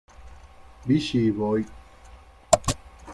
Beechey Voy.